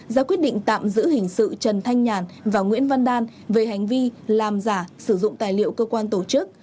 ra quyết định tạm giữ hình sự trần thanh nhàn và nguyễn văn đan về hành vi làm giả sử dụng tài liệu cơ quan tổ chức